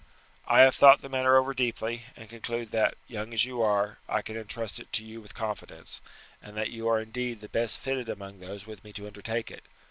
I have thought the matter over deeply, and conclude that, young as you are, I can intrust it to you with confidence, and that you are indeed the best fitted among those with me to undertake it.